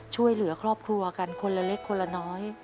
ช่วยเหลือครอบครัวกันคนละเล็กคนละน้อย